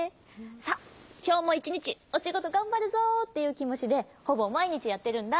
「さあきょうもいちにちおしごとがんばるぞ」っていうきもちでほぼまいにちやってるんだ。